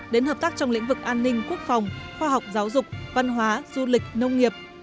đến hợp tác trong lĩnh vực an ninh quốc phòng khoa học giáo dục văn hóa du lịch nông nghiệp